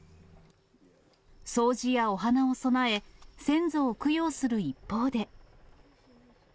掃除やお花を供え、先祖を供養する一方で。